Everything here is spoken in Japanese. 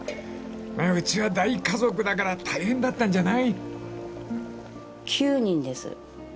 ［うちは大家族だから大変だったんじゃない？］